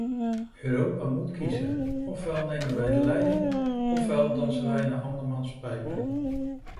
Europa moet kiezen: ofwel nemen wij de leiding ofwel dansen wij naar andermans pijpen.